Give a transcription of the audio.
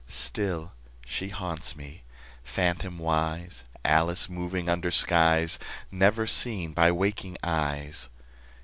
Still she haunts me, phantomwise, Alice moving under skies Never seen by waking eyes.